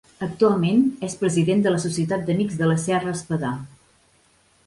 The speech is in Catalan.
Actualment és president de la Societat d'Amics de la Serra Espadà.